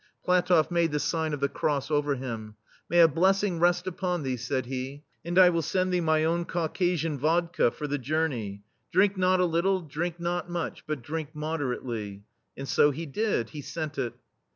• PlatofF made the sign of the cross over him: "May a blessing rest upon thee!*' said he; "and I will send thee my own Caucasian vodka, — my kizl yarki — for the journey. Drink not a little, drink not much, but drink mod erately.*' And so he did — he sent it.